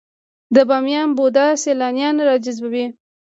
د بامیان بودا سیلانیان راجذبوي؟